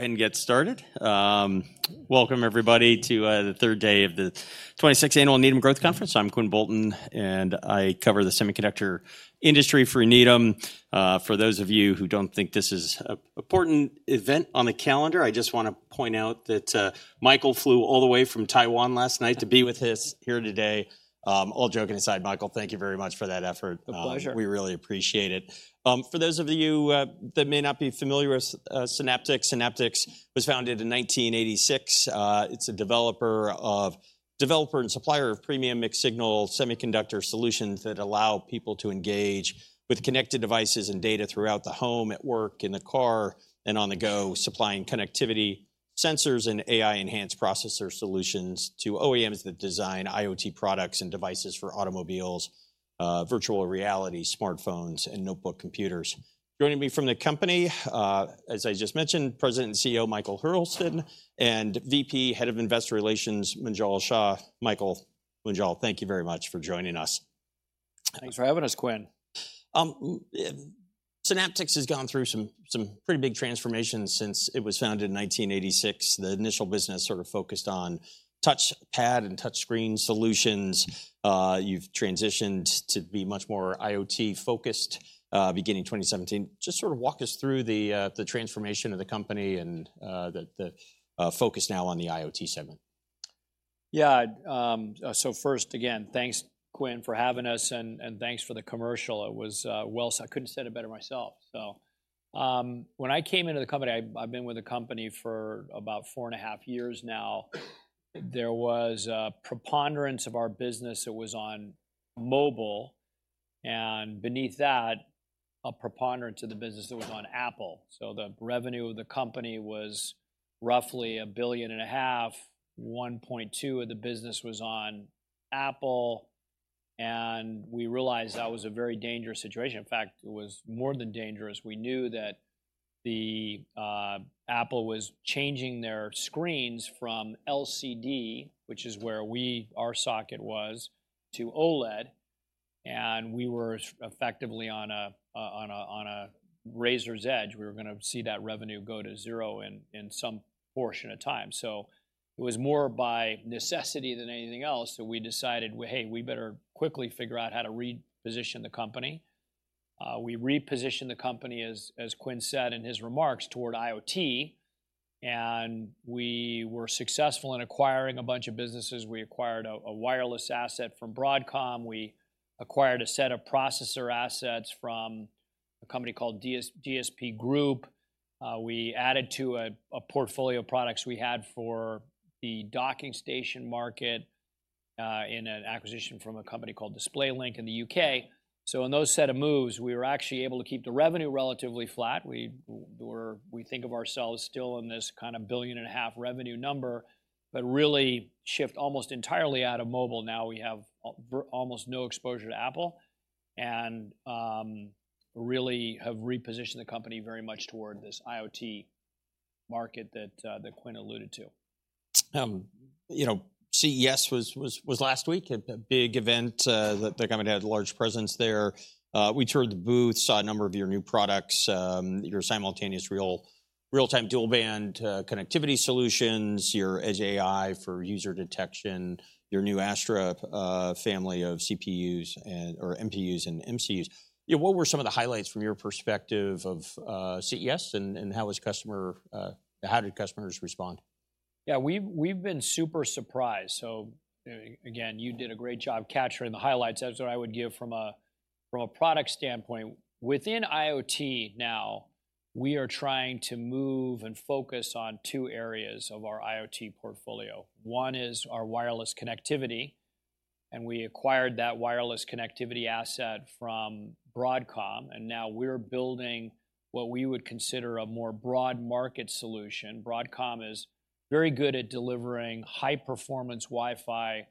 Go ahead and get started. Welcome everybody to the Third Day of the 26th Annual Needham Growth Conference. I'm Quinn Bolton, and I cover the semiconductor industry for Needham. For those of you who don't think this is an important event on the calendar, I just wanna point out that Michael flew all the way from Taiwan last night to be with us here today. All joking aside, Michael, thank you very much for that effort. My pleasure. We really appreciate it. For those of you that may not be familiar with Synaptics, Synaptics was founded in 1986. It's a developer and supplier of premium mixed-signal semiconductor solutions that allow people to engage with connected devices and data throughout the home, at work, in the car, and on the go, supplying connectivity, sensors, and AI-enhanced processor solutions to OEMs that design IoT products and devices for automobiles, virtual reality, smartphones, and notebook computers. Joining me from the company, as I just mentioned, President and Chief Executive Officer Michael Hurlston, and Vice President, Head of Investor Relations Munjal Shah. Michael, Munjal, thank you very much for joining us. Thanks for having us, Quinn. Synaptics has gone through some, some pretty big transformations since it was founded in 1986. The initial business sort of focused on touchpad and touchscreen solutions. You've transitioned to be much more IoT-focused, beginning 2017. Just sort of walk us through the, the transformation of the company and, the, the, focus now on the IoT segment. Yeah. So first again, thanks, Quinn, for having us, and thanks for the commercial. It was well said. I couldn't have said it better myself. So, when I came into the company, I've been with the company for about four and a half years now, there was a preponderance of our business that was on mobile, and beneath that, a preponderance of the business that was on Apple. So the revenue of the company was roughly $1.5 billion, $1.2 billion of the business was on Apple, and we realized that was a very dangerous situation. In fact, it was more than dangerous. We knew that the Apple was changing their screens from LCD, which is where our socket was, to OLED, and we were effectively on a razor's edge. We were gonna see that revenue go to zero in some portion of time. So it was more by necessity than anything else that we decided, "Well, hey, we better quickly figure out how to reposition the company." We repositioned the company as Quinn said in his remarks, toward IoT, and we were successful in acquiring a bunch of businesses. We acquired a wireless asset from Broadcom. We acquired a set of processor assets from a company called DSP Group. We added to a portfolio of products we had for the docking station market, in an acquisition from a company called DisplayLink in the U.K. So in those set of moves, we were actually able to keep the revenue relatively flat. We think of ourselves still in this kind of $1.5 billion revenue number, but really shift almost entirely out of mobile. Now we have almost no exposure to Apple and really have repositioned the company very much toward this IoT market that Quinn alluded to. You know, CES was last week, a big event that the company had a large presence there. We toured the booth, saw a number of your new products, your simultaneous real-time dual-band connectivity solutions, your Edge AI for user detection, your new Astra family of CPUs and, or MPUs and MCUs. Yeah, what were some of the highlights from your perspective of CES, and how was customer, how did customers respond? Yeah, we've been super surprised. So, again, you did a great job capturing the highlights. That's what I would give from a product standpoint. Within IoT now, we are trying to move and focus on two areas of our IoT portfolio. One is our wireless connectivity, and we acquired that wireless connectivity asset from Broadcom, and now we're building what we would consider a more broad market solution. Broadcom is very good at delivering high-performance Wi-Fi,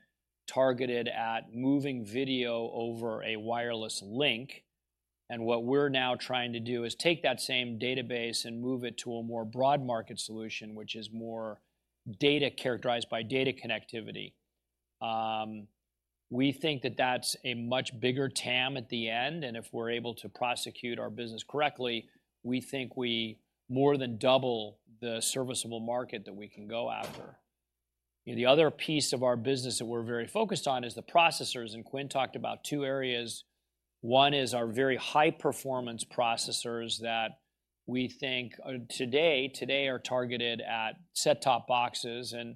targeted at moving video over a wireless link, and what we're now trying to do is take that same database and move it to a more broad market solution, which is more data, characterized by data connectivity. We think that that's a much bigger TAM at the end, and if we're able to prosecute our business correctly, we think we more than double the serviceable market that we can go after. The other piece of our business that we're very focused on is the processors, and Quinn talked about two areas. One is our very high-performance processors that we think today, today are targeted at set-top boxes, and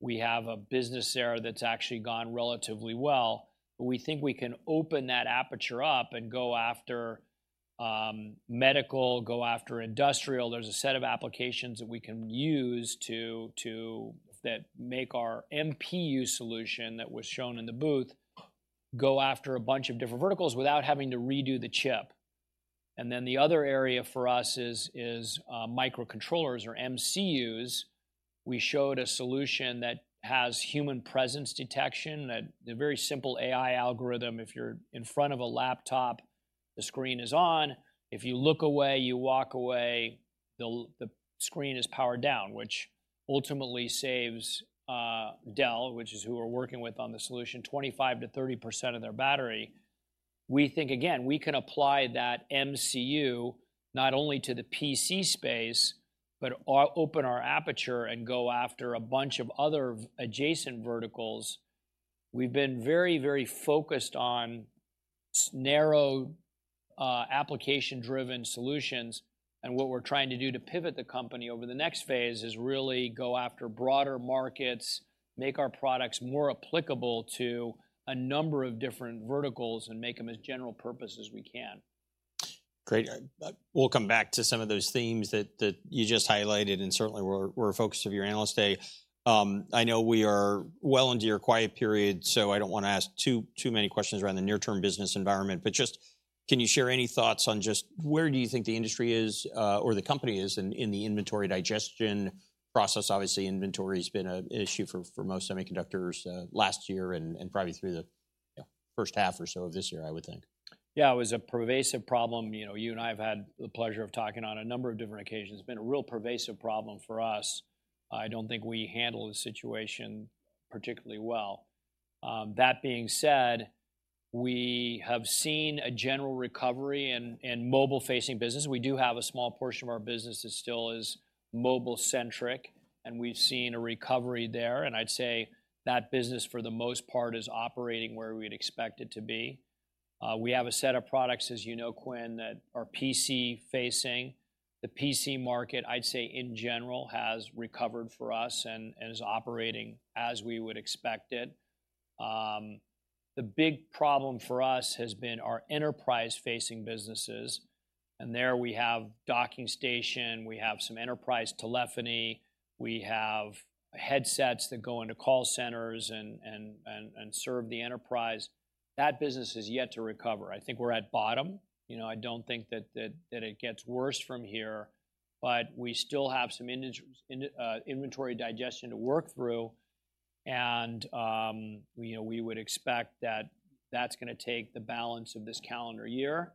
we have a business there that's actually gone relatively well. But we think we can open that aperture up and go after medical, go after industrial. There's a set of applications that we can use to that make our MPU solution that was shown in the booth go after a bunch of different verticals without having to redo the chip. And then the other area for us is microcontrollers or MCUs. We showed a solution that has human presence detection, a very simple AI algorithm. If you're in front of a laptop, the screen is on. If you look away, you walk away, the screen is powered down, which ultimately saves, Dell, which is who we're working with on the solution, 25%-30% of their battery. We think again, we can apply that MCU not only to the PC space, but open our aperture and go after a bunch of other adjacent verticals. We've been very, very focused on narrow, application-driven solutions, and what we're trying to do to pivot the company over the next phase is really go after broader markets, make our products more applicable to a number of different verticals, and make them as general purpose as we can. Great. We'll come back to some of those themes that you just highlighted, and certainly were a focus of your Analyst Day. I know we are well into your quiet period, so I don't wanna ask too many questions around the near-term business environment, but just can you share any thoughts on just where do you think the industry is, or the company is in the inventory digestion process? Obviously, inventory's been an issue for most semiconductors last year and probably through the, you know, first half or so of this year, I would think. Yeah, it was a pervasive problem. You know, you and I have had the pleasure of talking on a number of different occasions. It's been a real pervasive problem for us. I don't think we handled the situation particularly well. That being said, we have seen a general recovery in mobile-facing business. We do have a small portion of our business that still is mobile-centric, and we've seen a recovery there, and I'd say that business, for the most part, is operating where we'd expect it to be. We have a set of products, as you know, Quinn, that are PC-facing. The PC market, I'd say, in general, has recovered for us and is operating as we would expect it. The big problem for us has been our enterprise-facing businesses, and there we have docking station, we have some enterprise telephony, we have headsets that go into call centers and serve the enterprise. That business is yet to recover. I think we're at bottom. You know, I don't think that it gets worse from here, but we still have some inventory digestion to work through, and we would expect that that's gonna take the balance of this calendar year.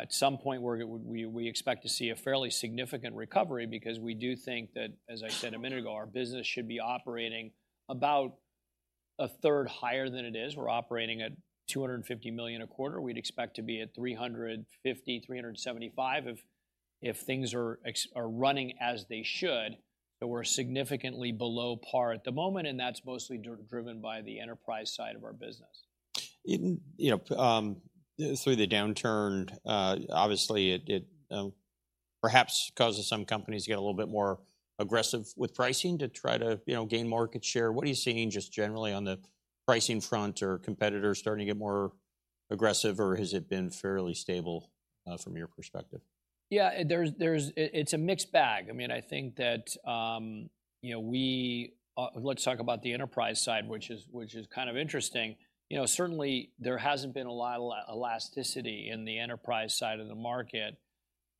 At some point, we expect to see a fairly significant recovery because we do think that, as I said a minute ago, our business should be operating about a third higher than it is. We're operating at $250 million a quarter. We'd expect to be at $350-$375, if things are running as they should. But we're significantly below par at the moment, and that's mostly driven by the enterprise side of our business. In, you know, through the downturn, obviously, it perhaps causes some companies to get a little bit more aggressive with pricing to try to, you know, gain market share. What are you seeing just generally on the pricing front or competitors starting to get more aggressive, or has it been fairly stable, from your perspective? Yeah, there's... It's a mixed bag. I mean, I think that, you know, we... Let's talk about the enterprise side, which is kind of interesting. You know, certainly, there hasn't been a lot of elasticity in the enterprise side of the market,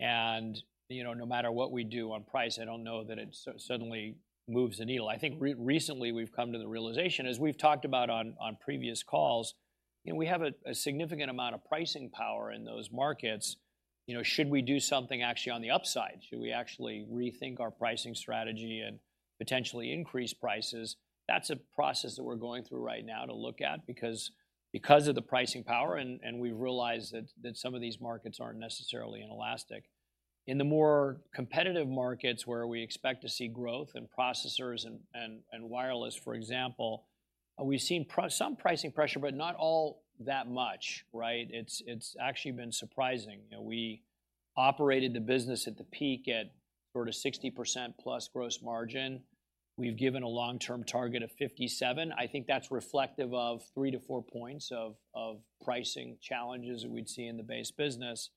and, you know, no matter what we do on price, I don't know that it suddenly moves the needle. I think recently, we've come to the realization, as we've talked about on previous calls, you know, we have a significant amount of pricing power in those markets. You know, should we do something actually on the upside? Should we actually rethink our pricing strategy and potentially increase prices? That's a process that we're going through right now to look at because of the pricing power, and we realize that some of these markets aren't necessarily inelastic. In the more competitive markets where we expect to see growth, in processors and wireless, for example, we've seen some pricing pressure, but not all that much, right? It's actually been surprising. You know, we operated the business at the peak at sort of 60%+ gross margin. We've given a long-term target of 57, I think that's reflective of 3-4 points of pricing challenges that we'd see in the base business.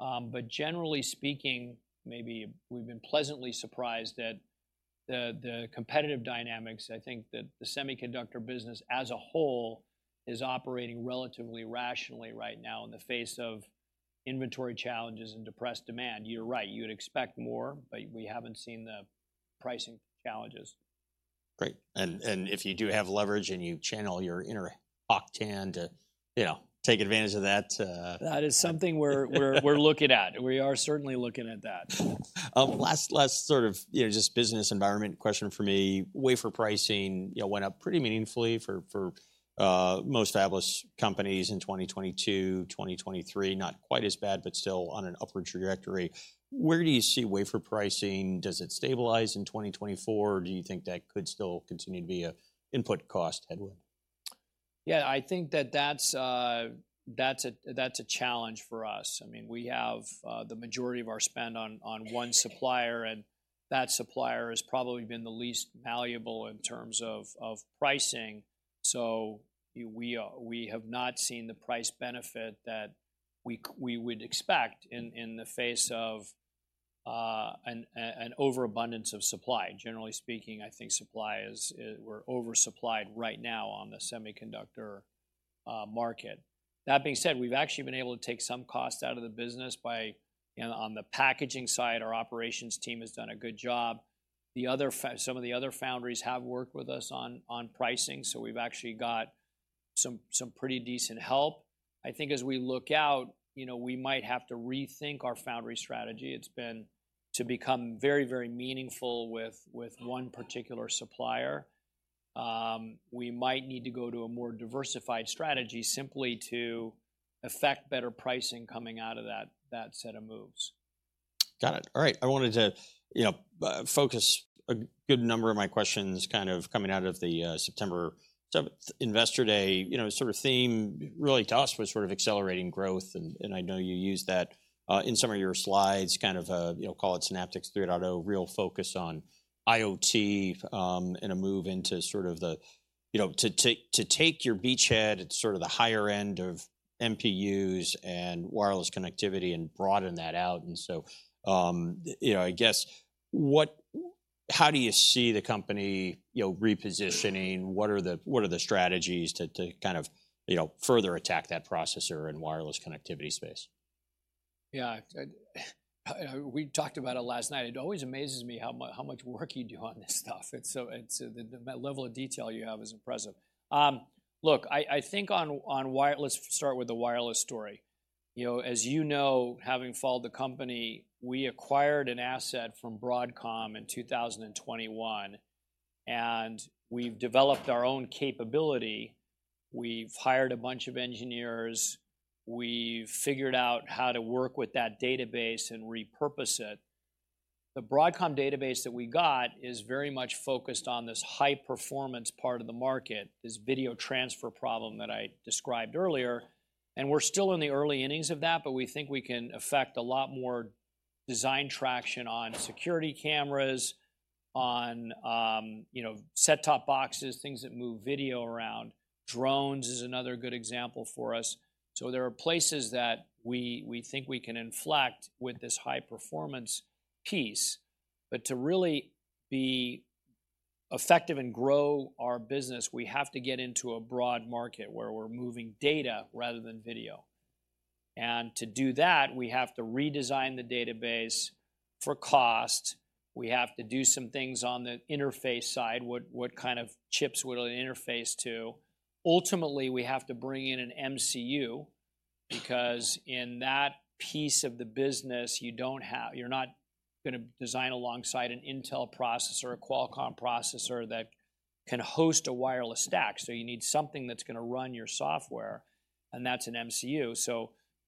But generally speaking, maybe we've been pleasantly surprised at the competitive dynamics. I think that the semiconductor business, as a whole, is operating relatively rationally right now in the face of inventory challenges and depressed demand. You're right, you'd expect more, but we haven't seen the pricing challenges. Great, and if you do have leverage, and you channel your inner Hock Tan to, you know, take advantage of that. That is something we're looking at. We are certainly looking at that. Last sort of, you know, just business environment question from me. Wafer pricing, you know, went up pretty meaningfully for most fabless companies in 2022. 2023, not quite as bad, but still on an upward trajectory. Where do you see wafer pricing? Does it stabilize in 2024, or do you think that could still continue to be an input cost headwind? Yeah, I think that's a challenge for us. I mean, we have the majority of our spend on one supplier, and that supplier has probably been the least malleable in terms of pricing. So we have not seen the price benefit that we would expect in the face of an overabundance of supply. Generally speaking, I think supply is, we're oversupplied right now on the semiconductor market. That being said, we've actually been able to take some cost out of the business by, you know, on the packaging side, our operations team has done a good job. Some of the other foundries have worked with us on pricing, so we've actually got some pretty decent help. I think as we look out, you know, we might have to rethink our foundry strategy. It's been to become very, very meaningful with, with one particular supplier.... We might need to go to a more diversified strategy simply to affect better pricing coming out of that, that set of moves. Got it. All right. I wanted to, you know, focus a good number of my questions kind of coming out of the September 7 Investor Day. You know, sort of theme really to us was sort of accelerating growth, and I know you used that in some of your slides, kind of, you know, call it Synaptics 3.0, real focus on IoT, and a move into sort of the, you know, to take your beachhead at sort of the higher end of MPUs and wireless connectivity and broaden that out. And so, you know, I guess, what, how do you see the company, you know, repositioning? What are the, what are the strategies to, to kind of, you know, further attack that processor and wireless connectivity space? Yeah, we talked about it last night. It always amazes me how much work you do on this stuff. It's the level of detail you have is impressive. Look, I think on wireless, start with the wireless story. You know, as you know, having followed the company, we acquired an asset from Broadcom in 2021, and we've developed our own capability. We've hired a bunch of engineers. We've figured out how to work with that database and repurpose it. The Broadcom database that we got is very much focused on this high-performance part of the market, this video transfer problem that I described earlier, and we're still in the early innings of that, but we think we can affect a lot more design traction on security cameras, on, you know, set-top boxes, things that move video around. Drones is another good example for us. So there are places that we think we can inflect with this high-performance piece. But to really be effective and grow our business, we have to get into a broad market where we're moving data rather than video. To do that, we have to redesign the database for cost. We have to do some things on the interface side. What kind of chips will it interface to? Ultimately, we have to bring in an MCU, because in that piece of the business, you don't have—you're not gonna design alongside an Intel processor, a Qualcomm processor that can host a wireless stack. So you need something that's gonna run your software, and that's an MCU.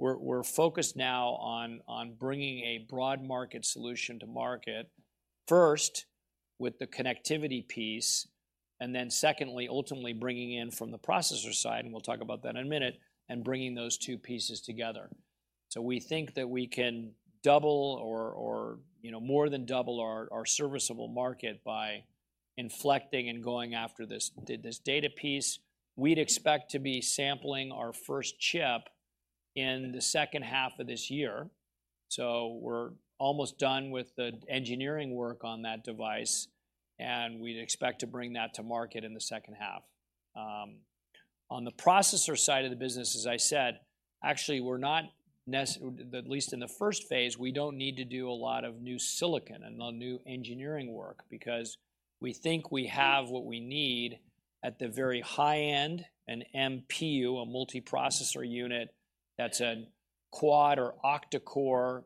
So we're focused now on bringing a broad market solution to market, first, with the connectivity piece, and then secondly, ultimately bringing in from the processor side, and we'll talk about that in a minute, and bringing those two pieces together. So we think that we can double or, you know, more than double our serviceable market by inflecting and going after this data piece. We'd expect to be sampling our first chip in the second half of this year, so we're almost done with the engineering work on that device, and we'd expect to bring that to market in the second half. On the processor side of the business, as I said, actually, we're not necessarily—at least in the first phase—we don't need to do a lot of new silicon and a lot new engineering work, because we think we have what we need at the very high end, an MPU, a multiprocessor unit, that's a quad or octa-core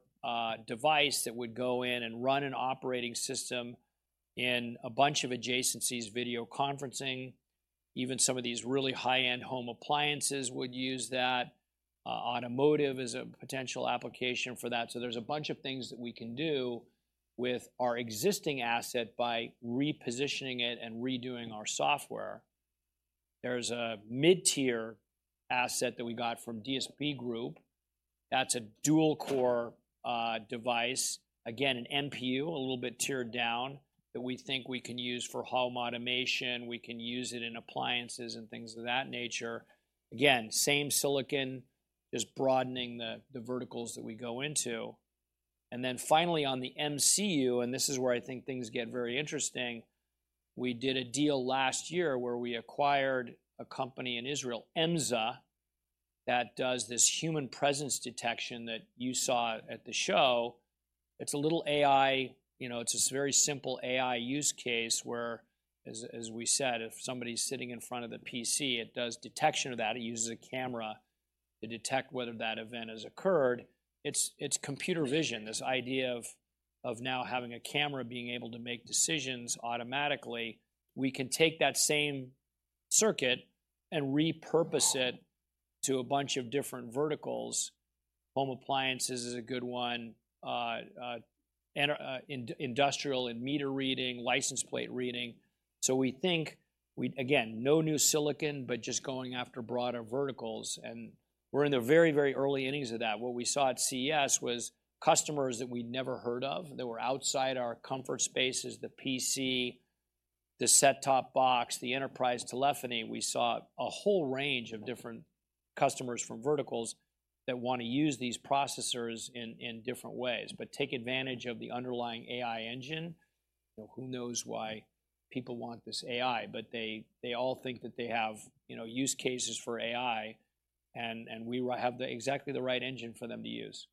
device that would go in and run an operating system in a bunch of adjacencies, video conferencing, even some of these really high-end home appliances would use that. Automotive is a potential application for that. So there's a bunch of things that we can do with our existing asset by repositioning it and redoing our software. There's a mid-tier asset that we got from DSP Group, that's a dual-core device, again, an MPU, a little bit tiered down, that we think we can use for home automation, we can use it in appliances and things of that nature. Again, same silicon, just broadening the verticals that we go into. And then finally, on the MCU, and this is where I think things get very interesting, we did a deal last year where we acquired a company in Israel, Emza, that does this human presence detection that you saw at the show. It's a little AI, you know, it's this very simple AI use case where, as we said, if somebody's sitting in front of the PC, it does detection of that. It uses a camera to detect whether that event has occurred. It's computer vision, this idea of now having a camera being able to make decisions automatically. We can take that same circuit and repurpose it to a bunch of different verticals. Home appliances is a good one, and industrial and meter reading, license plate reading. So we think, we again, no new silicon, but just going after broader verticals, and we're in the very, very early innings of that. What we saw at CES was customers that we'd never heard of, that were outside our comfort spaces, the PC, the set-top box, the enterprise telephony. We saw a whole range of different customers from verticals that want to use these processors in different ways, but take advantage of the underlying AI engine. You know, who knows why people want this AI, but they all think that they have, you know, use cases for AI, and we have exactly the right engine for them to use.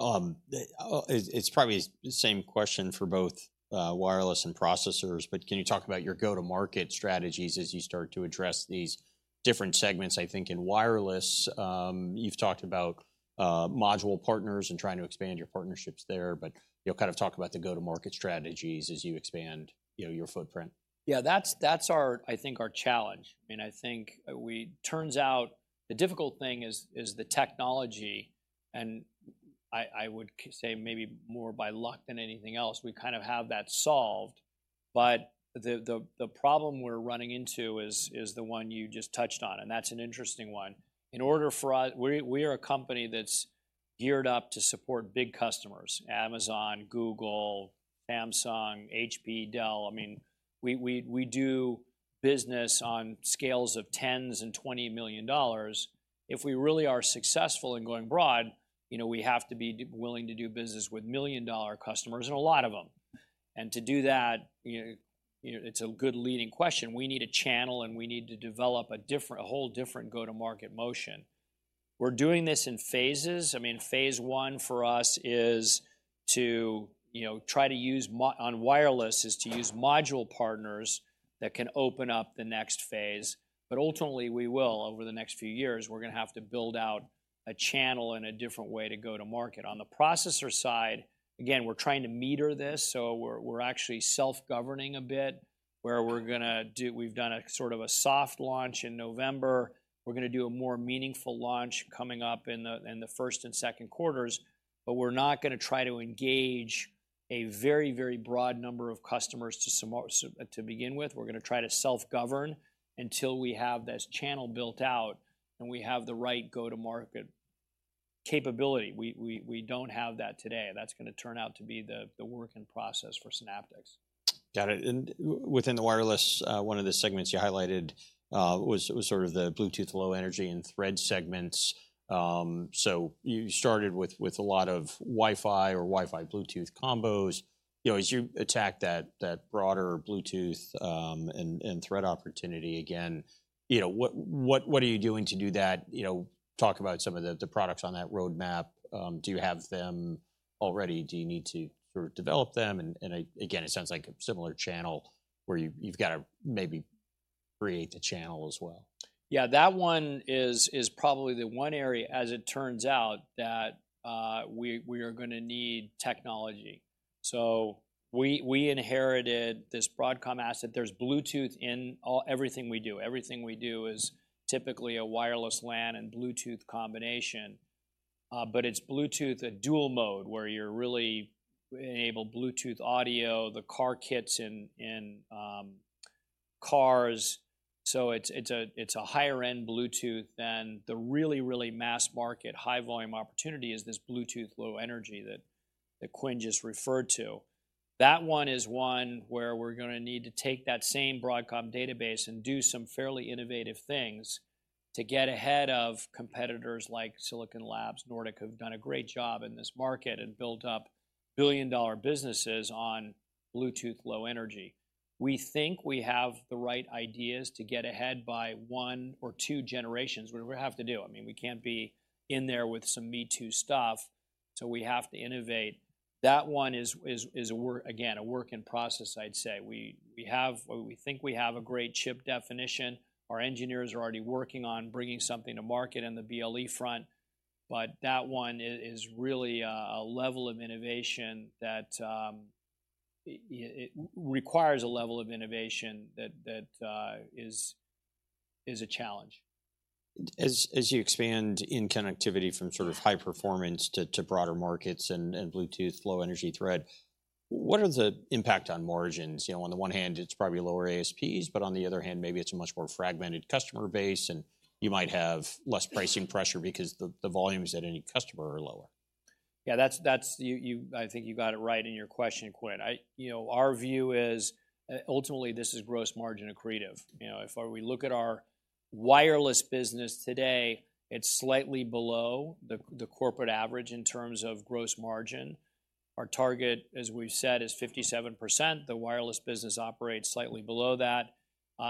It's probably the same question for both wireless and processors, but can you talk about your go-to-market strategies as you start to address these different segments? I think in wireless, you've talked about module partners and trying to expand your partnerships there, but you know, kind of talk about the go-to-market strategies as you expand, you know, your footprint. Yeah, that's our challenge, I think. I mean, I think, turns out the difficult thing is the technology, and I would say maybe more by luck than anything else, we kind of have that solved. But the problem we're running into is the one you just touched on, and that's an interesting one. We're a company that's geared up to support big customers, Amazon, Google, Samsung, HP, Dell. I mean, we do business on scales of tens and $20 million. If we really are successful in going broad, you know, we have to be willing to do business with million-dollar customers, and a lot of them. And to do that, you know, you know, it's a good leading question. We need a channel, and we need to develop a different, a whole different go-to-market motion. We're doing this in phases. I mean, phase one for us is to, you know, try to use on wireless, is to use module partners that can open up the next phase. But ultimately, we will, over the next few years, we're gonna have to build out a channel and a different way to go to market. On the processor side, again, we're trying to meter this, so we're, we're actually self-governing a bit, where we're gonna we've done a sort of a soft launch in November. We're gonna do a more meaningful launch coming up in the, in the first and second quarters, but we're not gonna try to engage a very, very broad number of customers to to begin with. We're gonna try to self-govern until we have this channel built out, and we have the right go-to-market capability. We don't have that today. That's gonna turn out to be the work in process for Synaptics. Got it. And within the wireless, one of the segments you highlighted was sort of the Bluetooth Low Energy and Thread segments. So you started with a lot of Wi-Fi or Wi-Fi/Bluetooth combos. You know, as you attack that broader Bluetooth and Thread opportunity again, you know, what are you doing to do that? You know, talk about some of the products on that roadmap. Do you have them already? Do you need to sort of develop them? And again, it sounds like a similar channel where you've got to maybe create the channel as well. Yeah, that one is probably the one area, as it turns out, that we are gonna need technology. So we inherited this Broadcom asset. There's Bluetooth in everything we do. Everything we do is typically a wireless LAN and Bluetooth combination. But it's Bluetooth, a dual mode, where you're really enable Bluetooth audio, the car kits in cars. So it's a higher-end Bluetooth than the really, really mass-market, high-volume opportunity is this Bluetooth Low Energy that Quinn just referred to. That one is one where we're gonna need to take that same Broadcom database and do some fairly innovative things to get ahead of competitors like Silicon Labs. Nordic have done a great job in this market and built up billion-dollar businesses on Bluetooth Low Energy. We think we have the right ideas to get ahead by one or two generations, whatever we have to do. I mean, we can't be in there with some me-too stuff, so we have to innovate. That one is again a work in process, I'd say. We have or we think we have a great chip definition. Our engineers are already working on bringing something to market on the BLE front, but that one is really a level of innovation that it requires a level of innovation that is a challenge. As you expand in connectivity from sort of high performance to broader markets and Bluetooth Low Energy Thread, what are the impact on margins? You know, on the one hand, it's probably lower ASPs, but on the other hand, maybe it's a much more fragmented customer base, and you might have less pricing pressure because the volumes at any customer are lower. Yeah, that's right. I think you got it right in your question, Quinn. You know, our view is ultimately this is gross margin accretive. You know, if we look at our wireless business today, it's slightly below the corporate average in terms of gross margin. Our target, as we've said, is 57%. The wireless business operates slightly below that.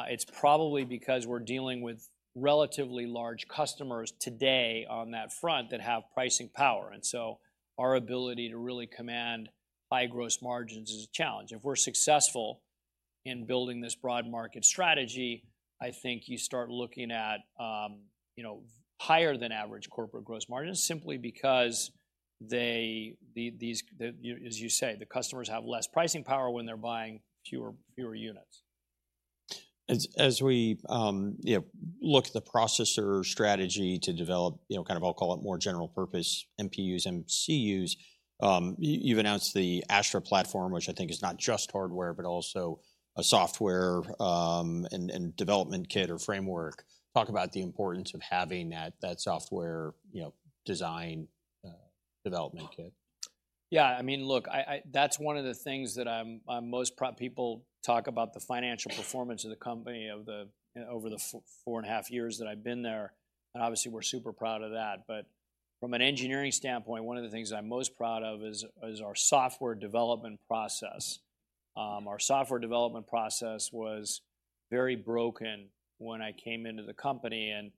It's probably because we're dealing with relatively large customers today on that front that have pricing power, and so our ability to really command high gross margins is a challenge. If we're successful in building this broad market strategy, I think you start looking at you know higher than average corporate gross margins simply because they you know as you say the customers have less pricing power when they're buying fewer units. As we, you know, look at the processor strategy to develop, you know, kind of, I'll call it, more general purpose MPUs, MCUs, you've announced the Astra platform, which I think is not just hardware, but also a software, and development kit or framework. Talk about the importance of having that software, you know, design development kit. Yeah, I mean, look, I - that's one of the things that I'm most proud - people talk about the financial performance of the company, you know, over the four and a half years that I've been there, and obviously, we're super proud of that. But from an engineering standpoint, one of the things I'm most proud of is our software development process. Our software development process was very broken when I came into the company, and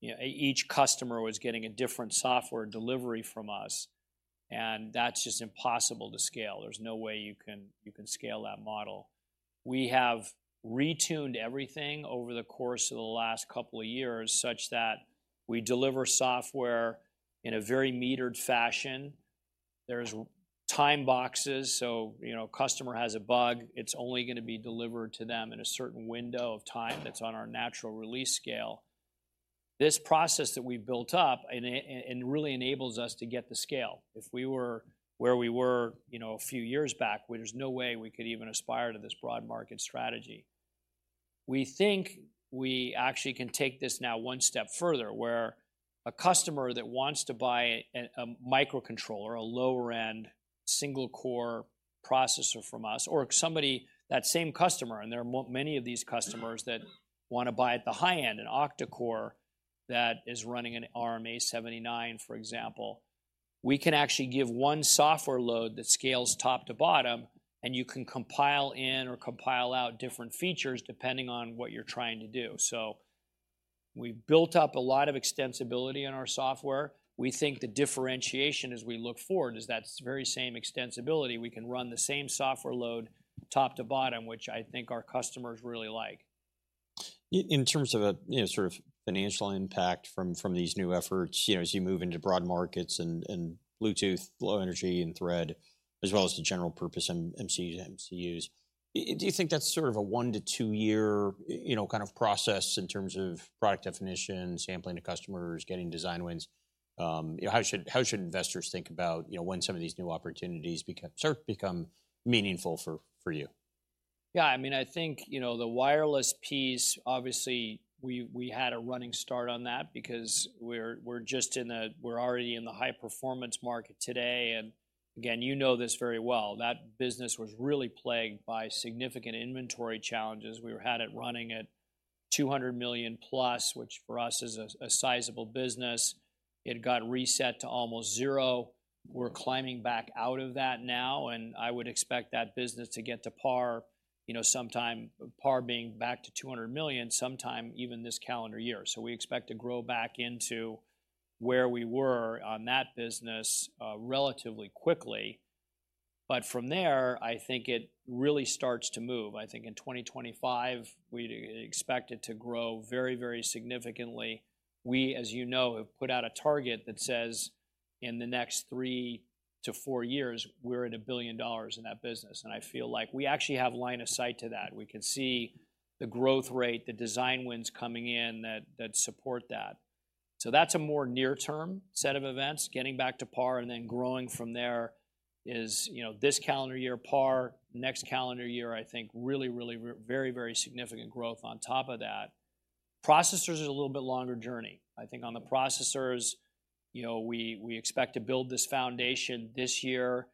you know, each customer was getting a different software delivery from us, and that's just impossible to scale. There's no way you can scale that model. We have retooled everything over the course of the last couple of years, such that we deliver software in a very metered fashion. are time boxes, so, you know, customer has a bug, it's only gonna be delivered to them in a certain window of time that's on our natural release scale. This process that we've built up, and it really enables us to get the scale. If we were where we were, you know, a few years back, where there's no way we could even aspire to this broad market strategy. We think we actually can take this now one step further, where a customer that wants to buy a microcontroller, a lower-end, single-core processor from us, or somebody—that same customer, and there are many of these customers that wanna buy at the high end, an octa-core that is running an ARM A79, for example, we can actually give one software load that scales top to bottom, and you can compile in or compile out different features depending on what you're trying to do. So we've built up a lot of extensibility in our software. We think the differentiation as we look forward is that very same extensibility. We can run the same software load top to bottom, which I think our customers really like. In terms of a, you know, sort of financial impact from these new efforts, you know, as you move into broad markets and Bluetooth Low Energy and Thread, as well as the general-purpose MCUs, do you think that's sort of a one to two-year, you know, kind of process in terms of product definition, sampling to customers, getting design wins? You know, how should investors think about, you know, when some of these new opportunities become sort of meaningful for you? Yeah, I mean, I think, you know, the wireless piece, obviously, we had a running start on that because we're already in the high-performance market today. And again, you know this very well, that business was really plagued by significant inventory challenges. We had it running at $200 million+, which for us is a sizable business. It got reset to almost zero. We're climbing back out of that now, and I would expect that business to get to par, you know, sometime, par being back to $200 million, sometime even this calendar year. So we expect to grow back into where we were on that business, relatively quickly. But from there, I think it really starts to move. I think in 2025, we'd expect it to grow very, very significantly. We, as you know, have put out a target that says in the next three to four years, we're at $1 billion in that business, and I feel like we actually have line of sight to that. We can see the growth rate, the design wins coming in that, that support that. So that's a more near-term set of events. Getting back to par and then growing from there is, you know, this calendar year, par, next calendar year, I think really, very, very significant growth on top of that. Processors is a little bit longer journey. I think on the processors, you know, we expect to build this foundation this year.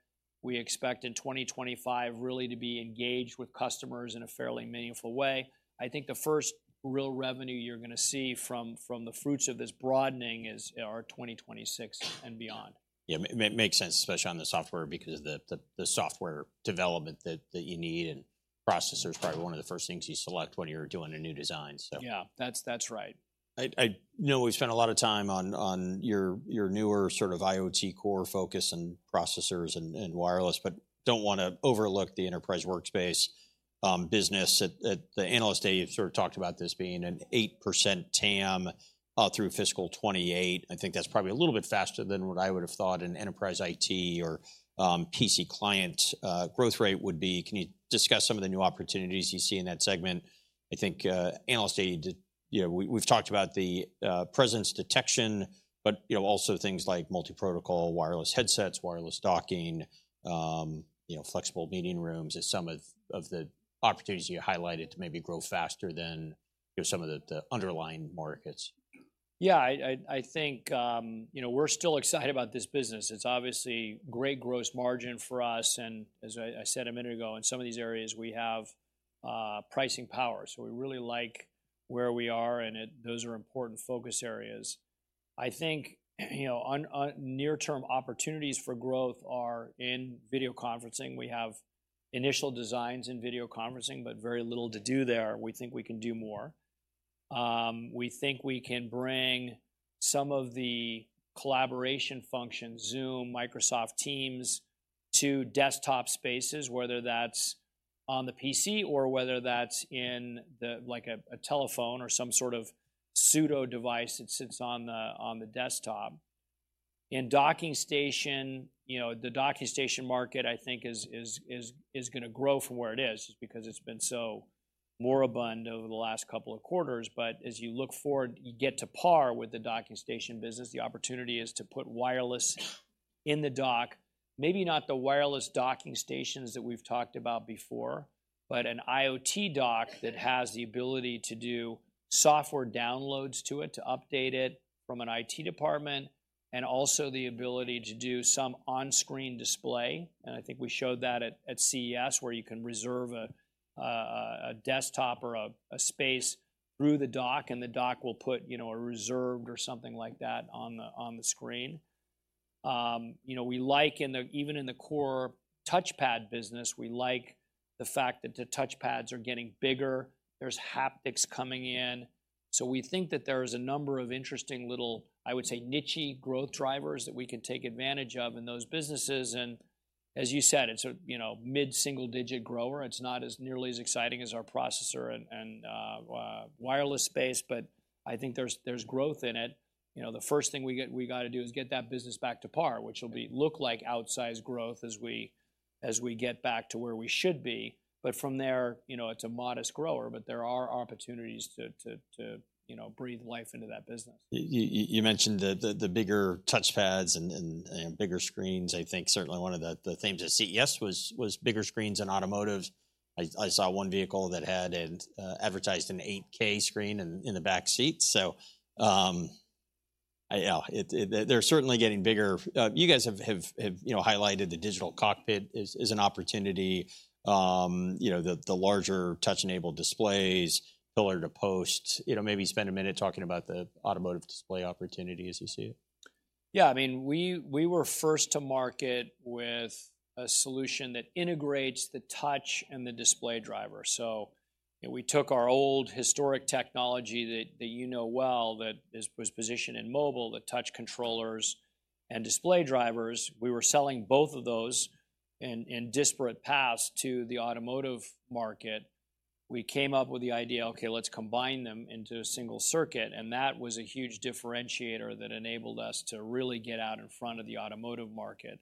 We expect in 2025, really to be engaged with customers in a fairly meaningful way. I think the first real revenue you're gonna see from the fruits of this broadening is 2026 and beyond. Yeah, makes sense, especially on the software, because the software development that you need and processor is probably one of the first things you select when you're doing a new design, so. Yeah, that's, that's right. I know we've spent a lot of time on your newer sort of IoT core focus and processors and wireless, but don't wanna overlook the enterprise workspace business. At the Analyst Day, you sort of talked about this being a 8% TAM through fiscal 2028. I think that's probably a little bit faster than what I would have thought an enterprise IT or PC client growth rate would be. Can you discuss some of the new opportunities you see in that segment? I think Analyst Day did—you know, we've talked about the presence detection, but you know, also things like multi-protocol wireless headsets, wireless docking, you know, flexible meeting rooms as some of the opportunities you highlighted to maybe grow faster than you know, some of the underlying markets. Yeah, I think, you know, we're still excited about this business. It's obviously great gross margin for us, and as I said a minute ago, in some of these areas, we have pricing power. So we really like where we are, and those are important focus areas. I think, you know, on near-term opportunities for growth are in video conferencing. We have initial designs in video conferencing, but very little to do there. We think we can do more. We think we can bring some of the collaboration functions, Zoom, Microsoft Teams, to desktop spaces, whether that's on the PC or whether that's in the, like a telephone or some sort of pseudo device that sits on the desktop. In docking station, you know, the docking station market, I think is gonna grow from where it is, just because it's been so moribund over the last couple of quarters. But as you look forward, you get to par with the docking station business, the opportunity is to put wireless in the dock. Maybe not the wireless docking stations that we've talked about before, but an IoT dock that has the ability to do software downloads to it, to update it from an IT department, and also the ability to do some on-screen display. And I think we showed that at CES, where you can reserve a desktop or a space through the dock, and the dock will put, you know, a reserved or something like that on the screen. You know, we like in the, even in the core TouchPad business, we like the fact that the TouchPads are getting bigger, there's haptics coming in. So we think that there is a number of interesting little, I would say, niche-y growth drivers that we can take advantage of in those businesses. And as you said, it's a, you know, mid-single-digit grower. It's not as nearly as exciting as our processor and wireless space, but I think there's, there's growth in it. You know, the first thing we gonna do is get that business back to par, which will look like outsized growth as we, as we get back to where we should be. But from there, you know, it's a modest grower, but there are opportunities to, you know, breathe life into that business. You mentioned the bigger touchpads and bigger screens. I think certainly one of the themes at CES was bigger screens in automotive. I saw one vehicle that had an advertised 8K screen in the back seat. So, yeah, it-- they're certainly getting bigger. You guys have, you know, highlighted the digital cockpit as an opportunity. You know, the larger touch-enabled displays, pillar-to-post. You know, maybe spend a minute talking about the automotive display opportunity as you see it. Yeah, I mean, we were first to market with a solution that integrates the touch and the display driver. So, you know, we took our old historic technology that you know well, that was positioned in mobile, the touch controllers and display drivers. We were selling both of those in disparate paths to the automotive market. We came up with the idea, okay, let's combine them into a single circuit, and that was a huge differentiator that enabled us to really get out in front of the automotive market.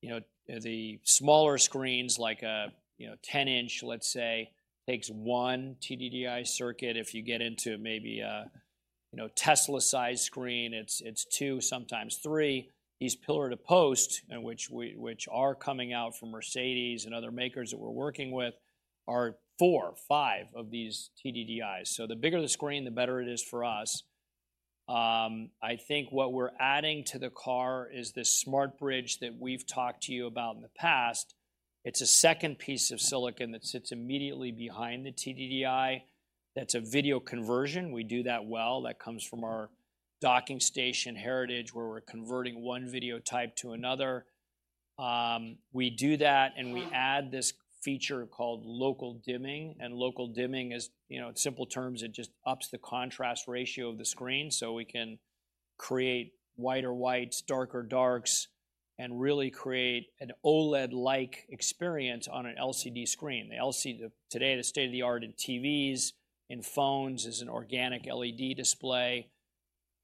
You know, the smaller screens, like a, you know, 10-inch, let's say, takes one TDDI circuit. If you get into maybe a, you know, Tesla-sized screen, it's two, sometimes three. These pillar-to-post, which we are coming out from Mercedes and other makers that we're working with, are four, five of these TDDIs. So the bigger the screen, the better it is for us. I think what we're adding to the car is this SmartBridge that we've talked to you about in the past. It's a second piece of silicon that sits immediately behind the TDDI. That's a video conversion. We do that well. That comes from our docking station heritage, where we're converting one video type to another. We do that, and we add this feature called local dimming, and local dimming is... You know, in simple terms, it just ups the contrast ratio of the screen, so we can create whiter whites, darker darks, and really create an OLED-like experience on an LCD screen. The LCD today, the state-of-the-art in TVs, in phones, is an organic LED display.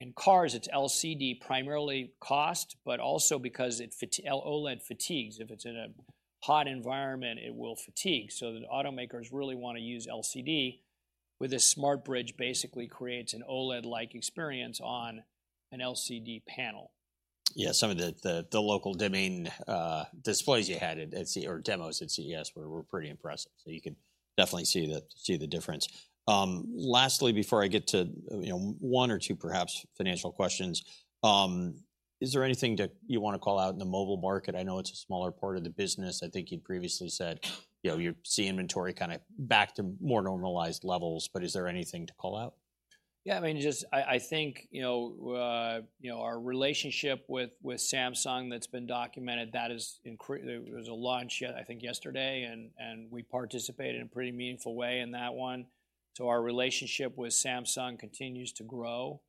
In cars, it's LCD, primarily cost, but also because OLED fatigues. If it's in a hot environment, it will fatigue. So the automakers really want to use LCD, with a SmartBridge, basically creates an OLED-like experience on an LCD panel. Yeah, some of the local dimming displays you had at CES or demos at CES were pretty impressive. So you could definitely see the difference. Lastly, before I get to, you know, one or two perhaps financial questions, is there anything that you want to call out in the mobile market? I know it's a smaller part of the business. I think you previously said, you know, you see inventory kind of back to more normalized levels, but is there anything to call out? Yeah, I mean, just, I think, you know, you know, our relationship with Samsung that's been documented. There was a launch, yeah, I think yesterday, and we participated in a pretty meaningful way in that one. So our relationship with Samsung continues to grow.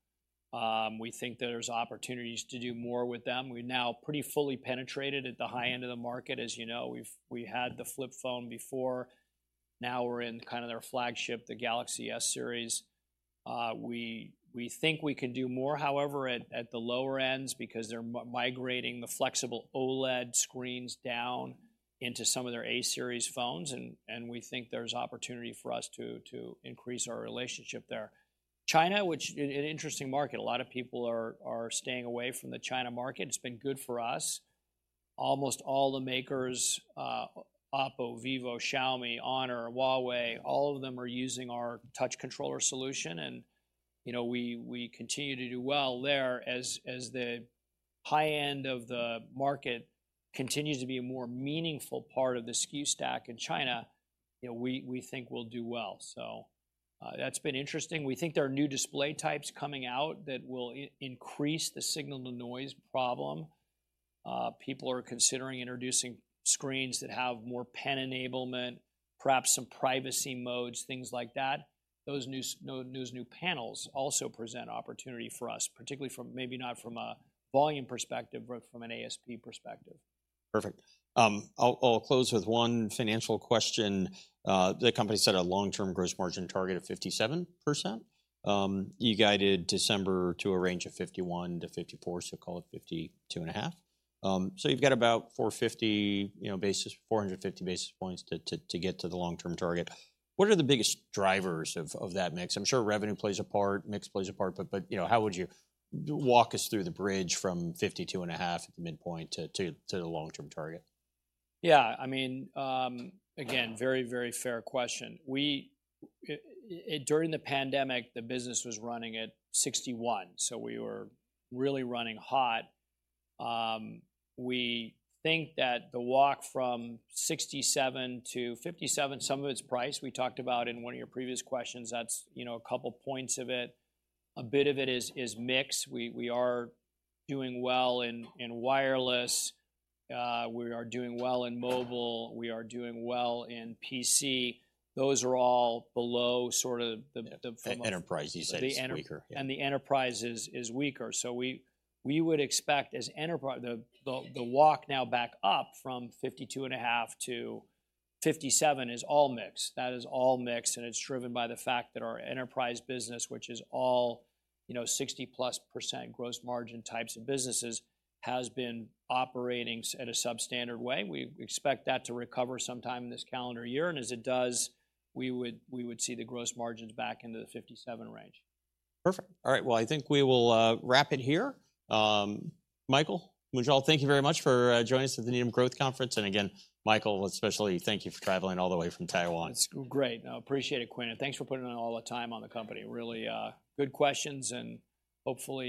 We think there's opportunities to do more with them. We're now pretty fully penetrated at the high end of the market. As you know, we had the flip phone before. Now we're in kind of their flagship, the Galaxy S series. We think we can do more, however, at the lower ends, because they're migrating the flexible OLED screens down into some of their A Series phones, and we think there's opportunity for us to increase our relationship there. China, which is an interesting market, a lot of people are staying away from the China market. It's been good for us. Almost all the makers, Oppo, Vivo, Xiaomi, Honor, Huawei, all of them are using our touch controller solution, and, you know, we continue to do well there as the high end of the market continues to be a more meaningful part of the SKU stack in China, you know, we think we'll do well. So, that's been interesting. We think there are new display types coming out that will increase the signal-to-noise problem. People are considering introducing screens that have more pen enablement, perhaps some privacy modes, things like that. Those new panels also present opportunity for us, particularly, maybe not from a volume perspective, but from an ASP perspective. Perfect. I'll close with one financial question. The company set a long-term gross margin target of 57%. You guided December to a range of 51%-54%, so call it 52.5. So you've got about 450, you know, basis points to get to the long-term target. What are the biggest drivers of that mix? I'm sure revenue plays a part, mix plays a part, but you know, how would you walk us through the bridge from 52.5 at the midpoint to the long-term target? Yeah. I mean, again, very, very fair question. During the pandemic, the business was running at 61, so we were really running hot. We think that the walk from 67 to 57, some of it's price, we talked about in one of your previous questions, that's, you know, a couple points of it. A bit of it is mix. We are doing well in wireless, we are doing well in mobile, we are doing well in PC. Those are all below sort of the from a- Enterprise, you said, is weaker. The enterprise is weaker. So we would expect as enterprise, the walk now back up from 52.5% to 57% is all mix. That is all mix, and it's driven by the fact that our enterprise business, which is all, you know, 60+% gross margin types of businesses, has been operating at a substandard way. We expect that to recover sometime this calendar year, and as it does, we would see the gross margins back into the 57% range. Perfect. All right, well, I think we will wrap it here. Michael, Munjal, thank you very much for joining us at the Needham Growth Conference. And again, Michael, especially thank you for traveling all the way from Taiwan. It's great. I appreciate it, Quinn, and thanks for putting in all the time on the company. Really, good questions, and hopefully-